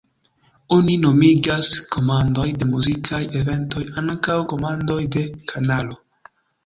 Oni nomigas komandoj de muzikaj eventoj ankaŭ komandoj de kanalo.